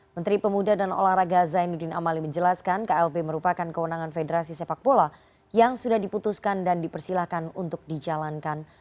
menteri pemuda dan olahraga zainuddin amali menjelaskan klb merupakan kewenangan federasi sepak bola yang sudah diputuskan dan dipersilahkan untuk dijalankan